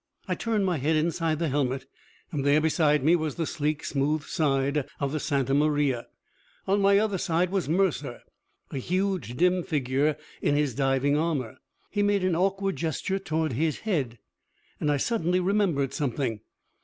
I turned my head inside the helmet, and there, beside me, was the sleek, smooth side of the Santa Maria. On my other side was Mercer, a huge, dim figure in his diving armor. He made an awkward gesture towards his head, and I suddenly remembered something.